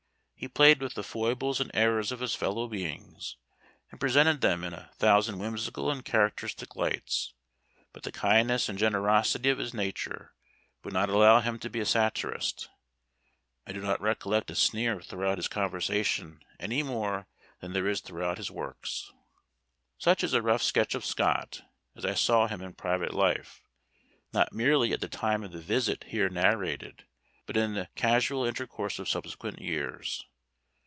He played with the foibles and errors of his fellow beings, and presented them in a thousand whimsical and characteristic lights, but the kindness and generosity of his nature would not allow him to be a satirist. I do not recollect a sneer throughout his conversation any more than there is throughout his works. Such is a rough sketch of Scott, as I saw him in private life, not merely at the time of the visit here narrated, but in the casual intercourse of subsequent years.